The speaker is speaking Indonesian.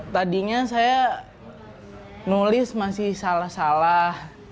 tadinya saya nulis masih salah salah